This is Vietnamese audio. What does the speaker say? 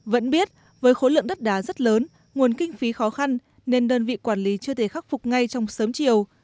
vẫn biết với khối lượng đất đá rất lớn nguồn kinh phí khó khăn nên đơn vị quản lý chưa thể khắc phục ngay trong sớm chiều